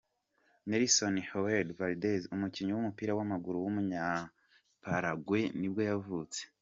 Nelson Haedo Valdez, umukinnyi w’umupira w’amaguru w’umunyaparaguay nibwo yavutse.